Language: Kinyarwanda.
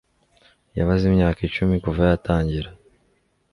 Yabaze imyaka icumi kuva yatangira